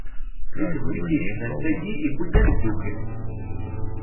Deg tegnit yecban-tagi, iwwi-d ad neddukel.